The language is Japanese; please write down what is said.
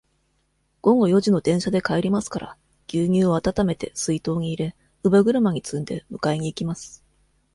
午後四時の電車で帰りますから、牛乳をあたためて、水筒に入れ、乳母車に積んで、迎えに行きます。